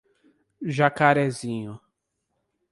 Jacarezinho